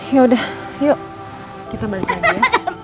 yaudah yuk kita balik lagi ya